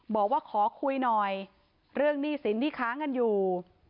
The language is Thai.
บอกว่าขอคุยหน่อยเรื่องหนี้สินที่ค้างกันอยู่